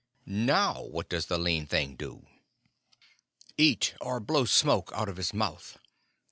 "Now, what does the lean thing do?" "Eat or blow smoke out of his mouth.